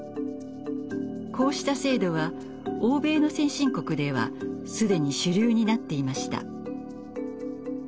こうした制度は欧米の先進国では既に主流になっていました。